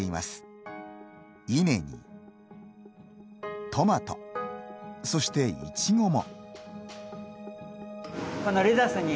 稲にトマト、そしてイチゴも。